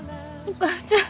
お母ちゃん！